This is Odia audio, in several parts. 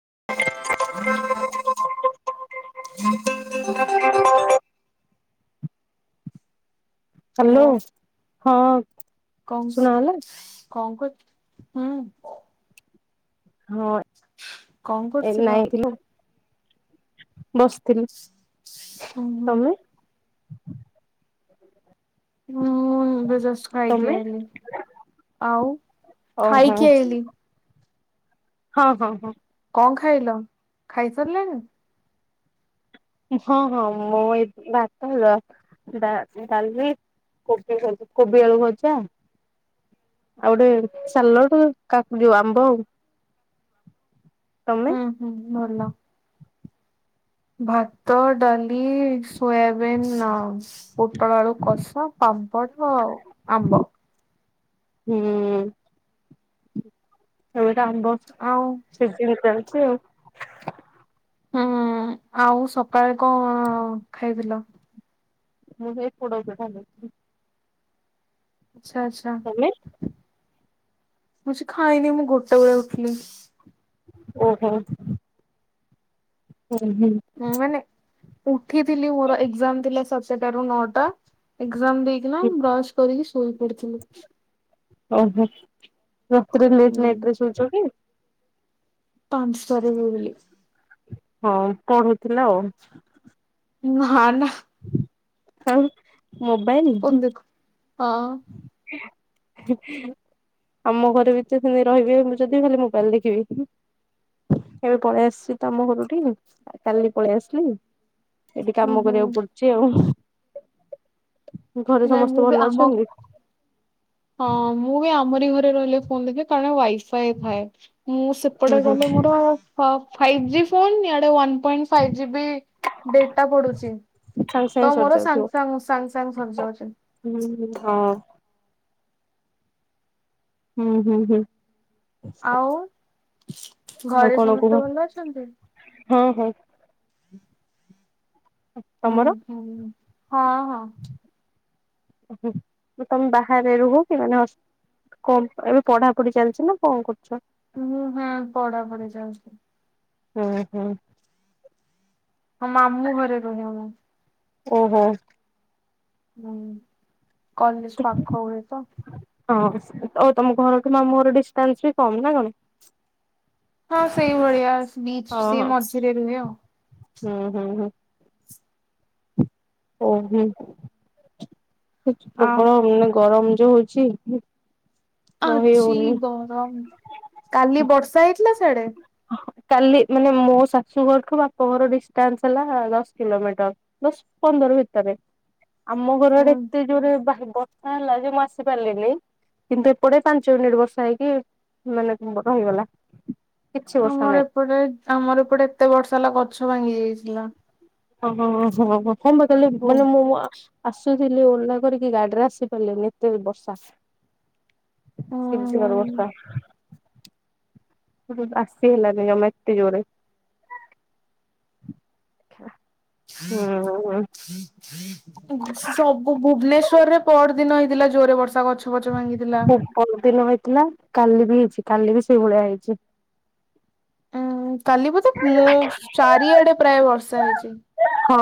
[inaudible] ହାଲୋ। ହଁ। କମ୍ ଶୁଣାଗଲା କଣ କରୁଚୁ ହୁଁ। ହଁ କଣ ଏ କରୁଥିଲ? ନାଇଁଥିଲୁ। ବସିଥିଲି। ଓ ହୋ। ତମେ? [inaudible] ହୁଁ ଏବେ ଜଷ୍ଟ ଖାଇକି ତମେ? ଆଇଲି ଆଉ ଓହୋ ଖାଇକି ଆଇଲି। ହଁ ହଁ ହଁ। କଣ ଖାଇଲ ଖାଇ ସାରିଲାଣିି। ହଁ ହଁ ମୁଁ ଏଇ ଭାତ ଡାଲି କୋବି କୋବି ଆଳୁ ଭଜା ଆଉ ଗୋଟେ ସାଲଡ କାକୁଡି ଆମ୍ବ ଆଉ। ତମେ? ହୁଁ ହୁଁ ଭଲ। ଭାତ ଡାଲି ସୋୟାବିନ୍ ପୋଟଳ ଆଳୁ କଷା ପାମ୍ପଡ଼ ଆଉ ଆମ୍ବ। ହୁଁ। ଏଟା ଆମ୍ବ ଆଉ ସିଜିନ ଟା । ହଁ। ହୁଁ ଆଉ ସକାଳେ କଣ ଖାଇଥିଲ? ମୁଁ ସେଇ ପୋଡ଼ପିଠା ଖାଇଥିଲି। ଆଛା ଆଛା। ତମେ? ମୁଁ କିଛି ଖାଇନି ମୁଁ ଗୋଟେ ବେଳେ ଉଠିଲି। ଓହୋ। ହୁଁ ହୁଁ। ମାନେ ଉଠିଥିଲି ମୋର ଏଗଜାମ ଥିଲା ମୋର ସ [unintelligible] ଟାରୁ ନଅଟା ଏଗଜାମ ଦେଇକିନା ବ୍ରଶ କରିକି ଶୋଇ ପଡିଥିଲି। ଓହୋ। ରାତି ରେ ଲେଟ ହୁଁ। ନାଇଟ ରେ ଶୋଉଛ କି? [unintelligible] ହଁ ପଢୁଥିଲା ଆଉ। ନା ନା ହଉଁ। ମୋବାଇଲ। ଫୋନ ଦେଖୁ ହଁ। ଆମ ଘରେ ବି ତ ସେ ରହିବେ ମୁଁ ଯଦି ଖାଲି ମୋବାଇଲ ଦେଖିବି ଏବେ ପଳେଇ ଆସିଛି ତମ ଘରକୁ କହିକି ପଳେଇ ଆସିଲି। ସେଇଠି ହୁଁ କାମ ହୁଁ କରିବାକୁ ପଡୁଛି ଆଉ। ଘରେ ନାଇଁ ମୁଁ ସମସ୍ତେ ବି ଭଲ ଆମ ଅଛନ୍ତି। ହଁ ମୁଁ ବି ଆ ଆମରି ଘରେ ରହିଲେ ଫୋନ ଦେଖେ କାରଣ ୱାଇ ଗ ଫ ଡୋ ମୁଁ ହୁଁ ସେପଟେ ହୁଁ ଗଲେ ମୋର ଫାଇବ ଜୀ ଫୋନ୍ ଇଆଡ଼େ ଡେଟା ପଡ଼ୁଚି ସାଙ୍ଗେ ସାଙ୍ଗେ ତ ମୋର ସରିଯାଉଥିବ ସଙ୍ଗେ ସଙ୍ଗେ ହୁଁ ହଁ। ହଁ। ହୁଁ ହୁଁ ହୁଁ। ଆଉ ଆଉ ଘରେ କଣ କୁହ ସମସ୍ତେ ଭଲ ଅଛନ୍ତି। ହଁ ହଁ ହୁଁ। ତମର ହୁଁ ହୁ। ହଁ ହଁ। ମୁ ତମେ ବାହାରେ ରୁହ କି ମାନେ କ ଏବେ ପଢାପଢି ଚାଲିଛି ନା କଣ କର। ହୁଁ ହଁ ପଢା ପଢି ଯାଉଛି। ହଁ ହୁଁ। ହଁ ମାମୁଁ ଘରେ ରୁହେ ମୁ। ଓହୋ। ହୁଁ। କଲେଜ ପାପ କହୁଡ ତ। ହଁ ଆଉ ତମ ଘରଠୁ ମାମୁର ଡିଷ୍ଟାନ୍ସ ବି କମ୍ ନା କଣ? ହଁ ସେଇଭଳିଆ ଆ । ବିଚ ହଁ ସେ ହଁ ମଝିରେ ରୁହେ ଆଉ। ହୁଁ ହୁଁ ହୁଁ ଓ ହୁଁ। ଅ ପ୍ରୋବଳମ ନା ଗରମ ରହୁଛି ହୁଁ । ଆଛି ଗରମ କାଲି ବର୍ଷା ହେଇଥିଲା ଛଡ଼େ। କାଲି ମାନେ ମୋ ଶାଶୁ ଘରଠୁ ବାପ ଘର ଡିଷ୍ଟାନ୍ସ ହେଲା ଦଶ କିଲୋମିଟର ଦଶ ପନ୍ଦର ଭିତରେ। ଆମ ହୁଁ ଘରଡେ ଏତେ ଜୋରେ ବାହ ବର୍ଷା ହେଲା ଯେ ମୁଁ ଆସି ପାରିଲିନି କିନ୍ତୁ ଏପଟେ ପାଞ୍ଚ ମିନିଟ ବର୍ଷା ହେଇକି ମାନେ ରହିଗଲା। କିଛି ବର୍ଷା ଆମର ନାହିଁ ଏପଟେ ଆମର ଏପଟେ ଏତେ ବର୍ଷା ହେଲା ଗଛ ଭାଙ୍ଗି ଯାଇଛି। ହାଲୋ। ମାମା ଓହୋ। [unintelligible] ମାନେ ମୁଁ ଆଁ ଆସୁଥିଲି ଓହଲା କରିକି ଗାଡିରେ ଆସିପାରିଲିନି ଏତେ ବର୍ଷା ହୁଁ। [unintelligible] ବର୍ଷା ଆସି ହେଲାଣି ଜମା ଏତେ ଜୋରେ ହୁଁ। ସବୁ ଭୁବନେଶ୍ଵରରେ ପର ଦିନ ହେଇଥିଲା ଜୋରେ ବର୍ଷା ଗଛ ପଛ ପ [unintelligible] ଦିନ ହେଇଥିଲା। କାଲି ବି ହେଇଛି କାଲି ବି ସେଇ ଭଳିଆ ହେଇଛି। ଉଁ କାଲି ବୋଧେ ମୁଁ ଚାରିଆଡେ ପ୍ରାୟ ବର୍ଷ ହେଇଛି। ହଁ।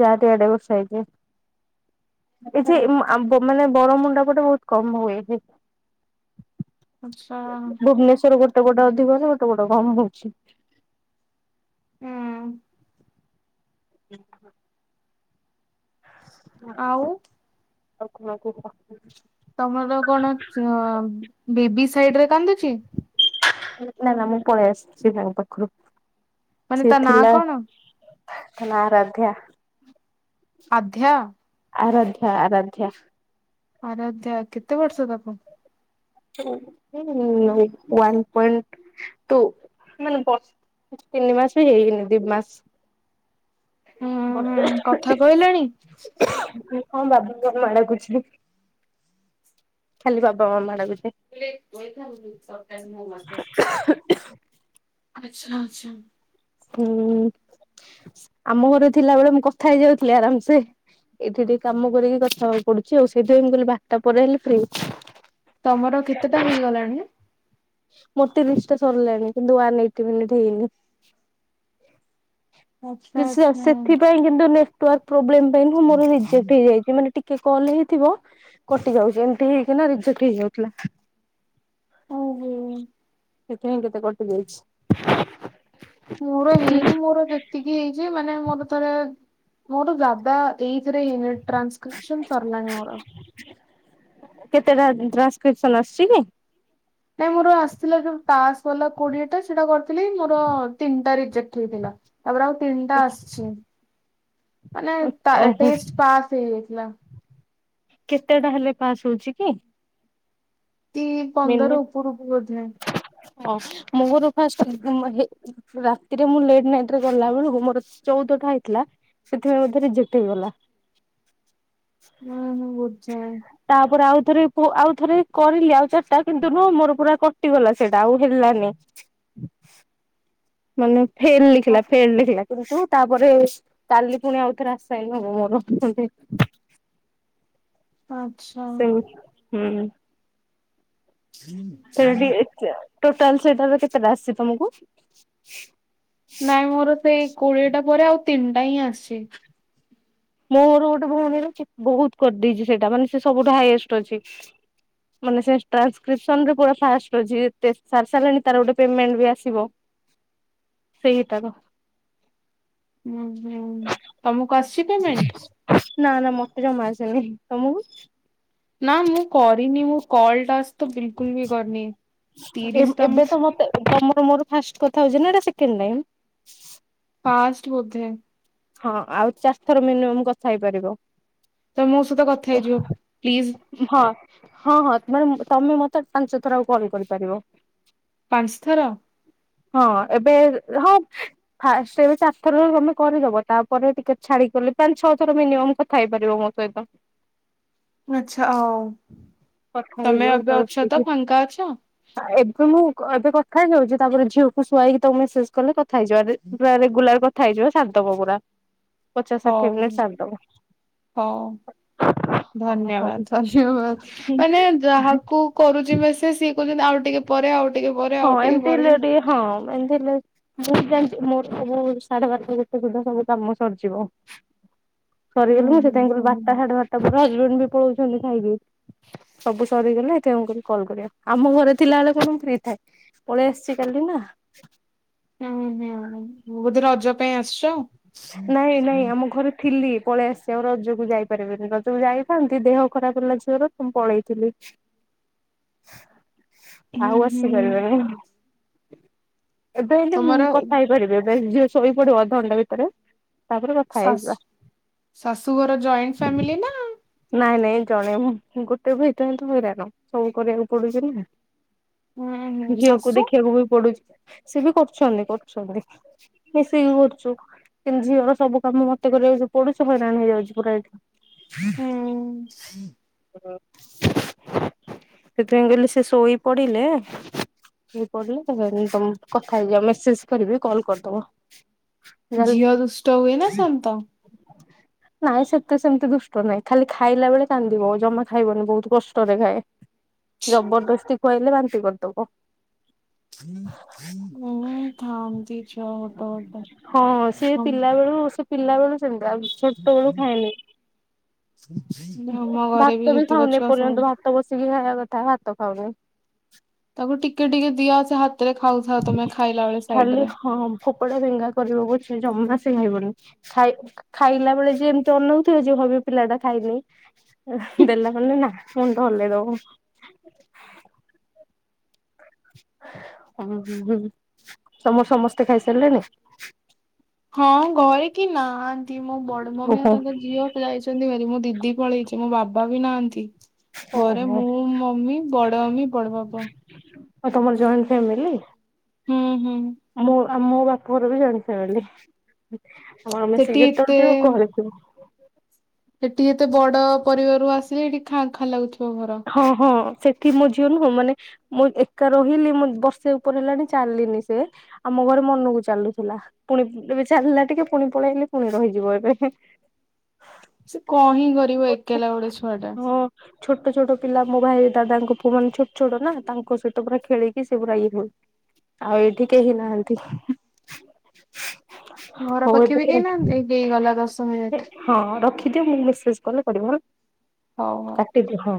ଯାହାରି ଆଡେ ବଷା ହେଇଛି ଏ ମାନେ ବର ମୁୁଣ୍ଡା ଗୋଟେ ବହୁତ କମ ହୁଏ। ଆଚ୍ଛା ଭୁବନେଶ୍ଵର ଗୋଟେ ଗୋଟେ ଅଧିକ ଗୋଟେ ଗୋଟେ କମ ହଉଛି। ହୁଁ। ହଁ। ଆଉ। ଆଉ କ ମା କୁ ତମର ସାଇଡ ରେ କାନ୍ଦୁଚି। ନା ନା ମୁଁ ପଳେଇ ଆସିଛି ସାଙ୍ଗ ପାଖରୁ। ମାନେ ତା ନାଁ କଣ? ତା ନାଁ ଆରାଧ୍ୟା। ଅଧ୍ୟା। ଆରାଧ୍ୟା ଆରାଧ୍ୟା। ଆରାଧ୍ୟା କେତେ ବର୍ଷ ତାକୁ। [unintelligible] ଉଅନ୍ ପଏଣ୍ଟ ଟୁ ମାନେ ତିନି ମାସ ବି ହେଇଗନି ଦି ମାସ। ହୁଁ ହୁଁ ବର୍ଷା କଥା କହିଲାଣି। [unintelligible] ମା ଡାକୁଚି ଖାଲି ବାବା ମାମା ଡାକୁଚି। ଥା [unintelligible] ଆଛା ଆଛା। ହୁଁ ଆମ ଘରେ ଥିଲା ବେଳେ ମୁଁ କଥା ହେଇଯାଉଥିଲି ଆରାମସେ, ଏଇଠି ଟିକେ କାମ କରିକି କଥା ହେବାକୁ ପଡୁଛି, ଆଉ ସେଇଥିପାଇଁ ମୁଁ କହିଲି ବାରଟା ପରେ ହେଲେ ଫ୍ରି। ତମର କେତେଟା ହେଇଗଲାଣି? ମୋର ତିରିଶ ଟା ସରିଲାଣି କିନ୍ତୁ ୱାନ୍ ଏଇଟି ମିନିଟ ହେଇନି। ଆଚ୍ଛା [unintelligible] ଆଚ୍ଛା ସେଥିପାଇଁ କିନ୍ତୁ ନେ ନେଟୱାର୍କ ପ୍ରୋ୍ଲେମ୍। ପାଇଁ ମୋର ରିଜେକ୍ଟ ହେଇଯାଇଛିା ମାନେ ଟିକେ କଲ ହେଇଥିବ କଟି ଯାଉଛି, ଏମିତି ହେଇକିନା ରିଜକ୍ଟ ହେଇଯାଉଥିଲା। ହୁଁ। ସେଥି ହିଁ କେତେ କଟି ଯାଇଛି। ମୋର ହେଇନି ମୋର ଯେତିକି ହେଇଛି ମାନେ ନେ ମୋର ଥରେ ମୋର ଜାଦା ଏଇଥିରେ ହେଇନି ଟ୍ରାନ୍ସକ୍ରିପସନ୍ ସରିଲାଣି ମୋର। କେତେଟା ଟ୍ରାନ୍ସକ୍ରିପସନ ଆସଛି କି? ନାଇଁ ମୋର ଆସିଥିଲା, ଯୋଉ ପାସ୍ ଗଲା କୋଡିଏ ଟା ସେଟା କରିଥିଲି ମୋର ତିନିଟା ରିଜେକ୍ଟ ହେଇଥିଲା। ତାପରେ ଆଉ ତିନିଟା ଆସଛି। ମାନେ ତା ଓହୋ ଟେଷ୍ଟ ପାସ୍ ହେଇଯା ହେଲା। କେତେ ଟା ହେଲେ ପାସ୍ ହଉଛି କି? ଟି ମିନି ପନ୍ଦର ଉପରକୁ ବୋଧେ। ହଁ ମୁଁ ମୋର ଫାଷ୍ଟ ହେ ରାତିରେ ମୁ ଲେଟ ନାଇଟ୍ରେ ଗଲା ବେଳକୁ ମୋର ଚଉଦଟା ହେଇଥିଲା ।ସେଥିପାଇଁ ବୋଧେ ରିଯେକ୍ଟ ହେଇଗଲା। ହୁଁ ହୁଁ ବୁଝା। ତାପରେ ଆଉ ଥରେ ପୁ ଆଉ ଥରେ କରିଲି ଆଉ ଚାରି ଟା କିନ୍ତୁ ନୁହଁ। ମୋର ପୁରା କଟିଗଲା ସେଇଟା ଆଉ ହେଲାନି। ମାନେ ଫେନ୍ ଲେଖିଲ ଫେନ୍ ଲେଖିଲା। ତାପରେ କାଲି ପୁଣି ଆଉଥରେ ଆସାଇନ୍ ହବ ମୋର। ଆଚ୍ଛା। ସେମି ହୁଁ। ହଁ ସେଇଟା ହଁ। ଟିକେ ଟୋଟାଲ ସେଇଟାର କେତେଟା ଆସିଛି ତମକୁ? ନାଇଁ ମୋର ସେଇ କୋଡିଏଟା ପରେ ଆଉ ତିନିଟା ହିଁ ଆସେ। ମୋର ଗୋଟେ ଭଉଣୀର ବହୁତ କରିଦେଇଛି ସେଇଟା ମାନେ ସେ ସବୁଠୁ ହାଇଏଷ୍ଟ ଅଛିା ମାନେ ସେ ଟ୍ରାନ୍ସକ୍ରିପ୍ସନ୍ ରେ ପୁରା ଫାଷ୍ଟ ଅଛି। ଟେଷ୍ଟ ସାରିସାରିଲାନି ତାର ଗୋଟେ ପେମେଣ୍ଟ ବି ଆସିବ ସେଇଟାର। ହୁଁ। ହୁଁ ତମକୁ ଆସିଛି ପେମେଣ୍ଟ? ନା ନା ମତେ ଜମା ଆସିନି। ତମକୁ? ନା ମୁଁ କରିନି ମୋ କଲ ଟା ତ ବିଲକୁଲ ବି କରିନି ଏ ତିରିଶଟା ଏବେ ମୁଁ ତ ମତେ ତମର ମୋର ଫାଷ୍ଟ କଥା ହଉଛେ ନା ଏଟା ସେକଣ୍ଡ ଟାଇମ୍? ଫାଷ୍ଟ ବୋଧେ ହଁ ଆଉ ଚାରି ଥର ମିନିମମ୍ କଥା ହେଇପାରିବ। ତ ମୋ ସହିତ କଥା ହେଇଯିବ ପ୍ଲିଜ। ହଁ। ହଁ ହଁ ମାନେ ତମେ ମତେ ପାଞ୍ଚ ଥର ଆଉ କଲ କରିପାରିବ। ପାଞ୍ଚ ଥର ହଁ ଏବେ ହଁ ଫାଷ୍ଟ ଏବେ ଚାରିଥର ତମେ କରିଦବ। ତାପରେ ଟିକେ ଛାଡି କଲେ ପାଞ୍ଚ ଛଅ ଥର ମିନିମମ୍ କଥା ହେଇପାରିବ ମୋ ସହିତ। ଆଛା ଓ କଥା ହେଇଯିବ ଫାଙ୍କା ଅଛ? ଏବେ ମୁଁ ଏବେ କଥା ଖାଇଯାଉଛି ତାପରେ ଝିଅକୁ ଶୁଆଇକି ତମକୁ ମେସେଜ କଲେ କ ଥା ହେଇଯିବା ରେ ରେଗୁଲାର ଥା ହେଇଯିବ ଶାରିଦବ ପୁରା। ପଚାଶ ଷାଠିଏ ହଉ ମିନିଟ୍ ସାରିଦବ। ହଉ ହଁ ଧନ୍ୟବାଦ ହଁ। ଧନ୍ୟବାଦ। ମାନେ ଯାହାକୁ କରୁଛି ମେସେଜ ସେ କ ଆଉ ଟିକେ ପରେ ଆଉ ଟିକେ ପରେ ହଁ ଆଉ ଟିକେ ଏମିତି ପରେ। ହେଲେ ଟିକେ ହଁ ଏମତି ହେଲେ ମୁଁ ଜାଣି ମୋର ସବୁ ସାଢେ ବାରଟା ଗିତେ ସୁଧା ସବୁ କାମ ସରିଯିବ। ହୁଁ ସରିଗଲି ମୁଁ ହୁଁ ସେଇଥି ପାଇଁ ବାପା ତାପରେ ହଜବେଣ୍ଡ ବି ପଳଉଛନ୍ତି। ଖାଇକି ସବୁ ସରିଗଲେ କଲ୍ କରିବା ଆମ ଘରେ ଥିଲାବେଳେ କଣ ପଳେଇ ଆସଛି କାଲି ନା। ହଁ ହୁଁଁ ବୋଧେ ରଜ ପାଇଁ ଆସିଛ ଆଉ ନାଇଁ ନାଇଁ ଆମ ଘରେ ଥିଲି ପଳେଇ ଆସି ଆଉ ରଜକୁ ଯାଇପାରିବେିନି ରଜକୁ ଯାଇଥାନ୍ତି ଦେହ ଖରାପ ହେଲା ପୁଣି ପଳେଇଥିଲି। ହୁଁ ଆଉ ଅଛି ହୁଁ କର ଏବେ ହେଲେ ମୁ ତମର କଥା ହେଇପାରିବି। ଝିଏ ଶୋଇ ପଡିବ ଅଧଘଣ୍ଟା ଭିତରେ ତାପରେ କଥା ହେଇଯିବା ଶାଶୁଘର ଜଏଣ୍ଟ ଫାମିଲି ନା ନାଇଁ ନାଇଁ ଜଣେ ମୁ ଗୋଟେ ବିାଇତ ହ ତ ହଇରାଣ ସବୁ କରିବାକୁ ପଡୁଛି ନା ହୁଁ ହୁଁ ଝିଅକୁ ଶାଶୁ? ଦେଖିବାକୁ ବି ପଡୁଛି। ସି ବି କରୁଛନ୍ତି କରୁଛନ୍ତି। ସେ ବି କରୁଛୁ କିନ୍ତୁ ଝିଅର ସବୁ କାମ ମତେ କରିବାକୁ ପଡୋଶୀ ହଇରାଣ ହେଇଯାଉଛି ପୁରା ଏଇଠି ହୁଁ [inaudible] [inaudible] ସେଥିପାଇଁ କହିଲେ ସେ ଶୋଇ ପଡିଲେ ଶୋଇ ପଡିଲେମ କଥା ହେଇଯ ମେସେଜ କରିବି କଲ କରିଦବ। ଜିଅ ଦୁଷ୍ଟ ହୁଏ ନା ସନ୍ତ? ନାଇଁ ସେତେ ସେମତି ଦୁଷ୍ଟ ନାଇଁ। ଖାଲି ଖାଇଲା ବେଳେ କାନ୍ଦିବଉ ଜମା ଖାଇବନି। ବହୁତ କଷ୍ଟରେ ଖାଏ। ଜବରଦସ୍ତି ଖୁଆଇଲେ ବାନ୍ତି କରିଦବ। ହୁଁ ଥାନ୍ତି ଛୁଆ ଗୋଟେ ଗୋଟେ ପିଲାବେଳୁ ସେମ୍ ଛୋଟବେଳୁ ଖାଏନି। ଆମ ଘରେ ବି ଭାତ ଯେତିକି ଖାଉନି ଛୁଆ ସବୁ ଏପର୍ଯ୍ୟନ୍ତ ଭାତ ବସିକି ଖାଇବା କଥା ହାତ ଖାଉନ। [inaudible] ତାକୁ ଟିକେ ଟିକେ ଦିଆସେ ହାତ ଖାଲି ହଁ ଫୋକଡ଼ା ଫେଙ୍ଗା କରିବ ବ ଜମା ସେ ଖାଇବନି ଖାଇ ଖାଇଲା ବେଳେ ଯ ଏମିତି ଅନଉଥିବ ଯ ଭାବିବ ପିଲାଟା ଖାଇନି ଦେଲା ମ ନା ମୁଣ୍ଡ ଭଲେଇ ଦବ [inaudible] [inaudible] ହଁ ହ ହୁଁ ତମର ସମସ୍ତେ ଖାଇସାରିଲେନି? ହଁ ଘରେ କି ନାହାନ୍ତି। ମୋ ବଡ ମମିଆଉ ଓହୋ ତାଙ୍କ ଝିଅ ପ ଯାଇଛନ୍ତି ଭାର ମୁଁ ଦିଦି ପଳେଇଛି ମୋ ବାବା ବି ନାହାନ୍ତି। ଘରେ ଓହୋ ମୁଁ ମମି ବଡ ମମି ବଡ ବାବା ଆଉ ତମର ଜଏଣ୍ଟ ଫ୍ୟାମିଲି। ହୁଁ ହୁଁ। ଆଉ ମୋ ବାପା ଘର ବି ଜାଣିଶାରିଲେଣି। ଆଉ ଆମେ ସେ ସେଠି ଯେତେ କରିଥିବୁ [unintelligible] ସେଠି ଏତେ ବଡ ପରିବାରରୁ ଆସିଲେ ଏଠି ଖା ଖାଁ ଲାଗୁଛି ହଁ ହଁ ସେ କି ମୋ ଝିଅ ନୁହଁ ମାନେ ମୁଁ ଏକା ରହିଲି ମୁଁ ବର୍ଷେ ଉପରେ ହେଲାଣି ଚାଲିିନି ସେ ଆମ ଘରେ ମନକୁ ଚାଲୁଥିଲା ପୁଣି ଏବେ ଚାଲିଲା ଟିକେ ପୁଣି ପଳେଇଲେ ପୁଣି ରହିଯିବ ଏବେ ସେ କଣ ହିଁ କରିବ ଏକଲା ଗୋଟେ ଛୁଆ ଟା ହଁ ଛୋଟ ଛୋଟ ପିଲା ମୋ ଭାଇ ଦାଦାଙ୍କ ପୁଅ ମାନେ ଛୋଟ ଛୋଟ ନା ତାଙ୍କ ସହିତ ପୁରା ଖେଳିକି ସେ ପୁରା ଇ ହଉ ଆଉ ଏଇଠି କେହି ନାହାନ୍ତି । ଘର ପାଖେ ବି କେହି ନାହାନ୍ତି, ଏଇ ହେଇଗଲା ଦଶ ମିନିଟ। ହଁ ମୁଁ ମେସେଜ କଲେ ପିବ ହେଲା [unintelligible] ହଉ ହଉ ଓ ହୋ